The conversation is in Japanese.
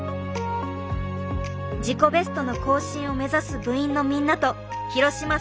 自己ベストの更新を目指す部員のみんなと廣島先生の挑戦。